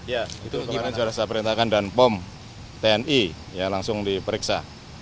ya itu sudah saya perintahkan dan pom tni langsung diperiksa